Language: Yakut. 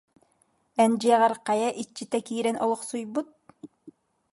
Эн дьиэҕэр хайа иччитэ киирэн олохсуйбут